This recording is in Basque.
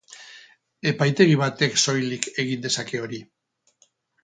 Epaitegi batek soilik egin dezake hori.